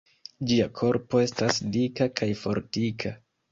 Ĝia korpo estas dika kaj fortika.